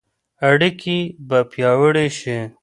اړیکې به پیاوړې شي.